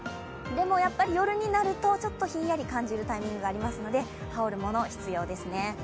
夜になるとちょっとひんやり感じるタイミングもあるので羽織るもの、必要ですね。